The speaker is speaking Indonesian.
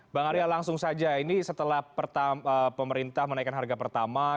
bang arya langsung saja ini setelah pemerintah menaikkan harga pertama